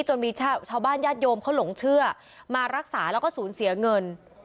จนมีชาวบ้านญาติโยมเขาหลงเชื่อมารักษาแล้วก็สูญเสียเงิน